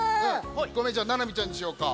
１こめじゃあななみちゃんにしようか。